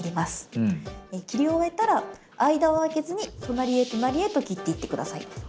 切り終えたら間をあけずに隣へ隣へと切っていって下さい。